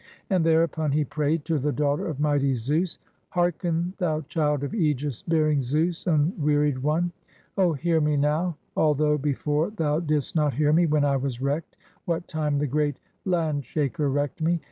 And thereupon he prayed to the daughter of mighty Zeus: —" Hearken, thou child of aegis bearing Zeus, unwearied one! Oh hear me now, although before thou didst not hear me, when I was wrecked, what time the great Land shaker wrecked me.